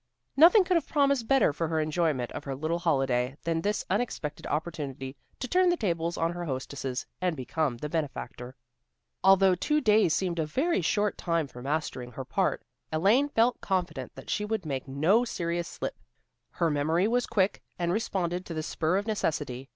Nothing could have promised better for her enjoyment of her little holiday than this unexpected opportunity to turn the tables on her hostesses, and become the benefactor. Although two days seemed a very short time for mastering her part, Elaine felt confident that she would make no serious slip. Her memory was quick, and responded to the spur of necessity.